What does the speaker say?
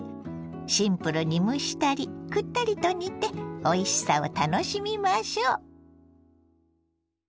シンプルに蒸したりくったりと煮ておいしさを楽しみましょ。